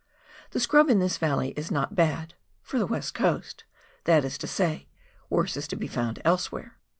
The scrub, in this valley, is not bad, for the West Coast — that is to say, worse is to be found elsewhere.